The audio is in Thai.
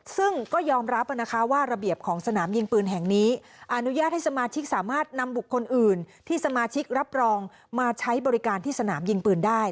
ซึ่งก็ยอมรับนะคะว่าระเบียบของสนามยิงปืนแห่งนี้อนุญาตให้สมาชิกสามารถนำบุคคลอื่นที่สมาชิกรับรองมาใช้บริการที่สนามยิงปืนได้